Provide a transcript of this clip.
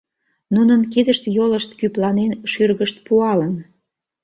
Нунын кидышт, йолышт кӱпланен, шӱргышт пуалын.